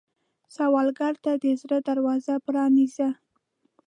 سوالګر ته د زړه دروازه پرانیزه